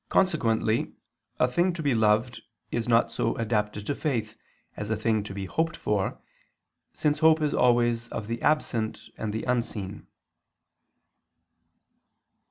Consequently a thing to be loved is not so adapted to faith, as a thing to be hoped for, since hope is always of the absent and the unseen.